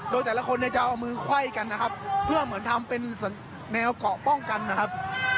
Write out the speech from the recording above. โดยแต่ละคนเนี่ยจะเอามือไขว้กันนะครับเพื่อเหมือนทำเป็นแนวเกาะป้องกันนะครับ